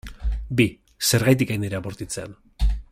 Bi, zergatik hain era bortitzean?